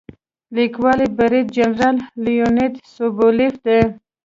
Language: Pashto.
لیکوال یې برید جنرال لیونید سوبولیف دی.